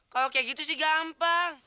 kalau kayak gitu sih gampang